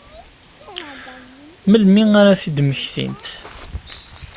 Melmi ara ad t-id-mmektint?